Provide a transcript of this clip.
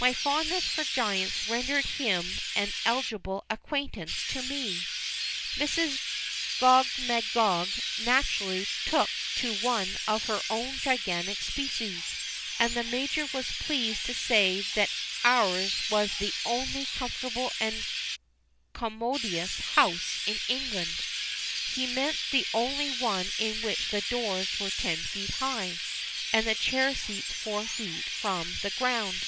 My fondness for giants rendered him an eligible acquaintance to me. Mrs. Gogmagog naturally took to one of her own gigantic species; and the Major was pleased to say that ours was the only comfortable and commodious house in England he meant the only one in which the doors were ten feet high, and the chair seats four feet from the ground.